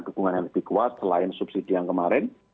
dukungan yang lebih kuat selain subsidi yang kemarin